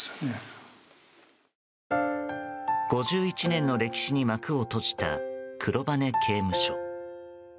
５１年の歴史に幕を閉じた黒羽刑務所。